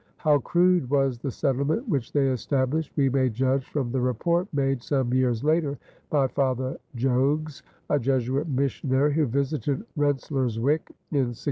How crude was the settlement which they established we may judge from the report made some years later by Father Jogues, a Jesuit missionary, who visited Rensselaerswyck in 1643.